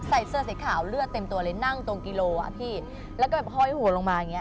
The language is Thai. ใส่เสื้อสีขาวเลือดเต็มตัวเลยนั่งตรงกิโลอ่ะพี่แล้วก็แบบห้อยหัวลงมาอย่างเงี